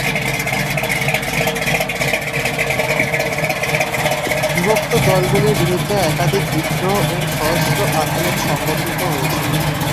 বিভক্ত দলগুলোর বিরুদ্ধে একাধিক বিদ্রোহ ও সশস্ত্র আন্দোলন সংঘটিত হয়েছিল।